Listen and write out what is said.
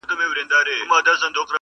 • د څپو غېږته قسمت وو غورځولی -